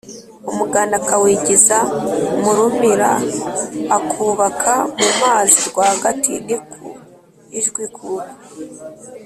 umuganda akawigiza mu rumira: akubaka mu mazi rwagati ( ni ku ijwi kuko